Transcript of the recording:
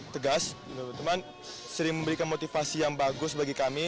tegas cuman sering memberikan motivasi yang bagus bagi kami